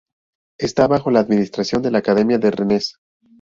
Está bajo la administración de la Academia de Rennes.